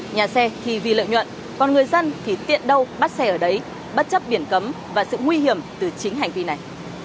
nhà xe thì vì lợi nhuận còn người dân thì tiện đâu bắt xe ở đấy bất chấp biển cấm và sự nguy hiểm từ chính hành vi này